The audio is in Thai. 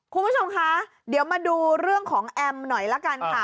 คุณผู้ชมคะเดี๋ยวมาดูเรื่องของแอมหน่อยละกันค่ะ